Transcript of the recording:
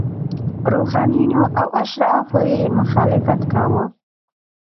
روحانینو او اشرافو یې مخالفت کاوه.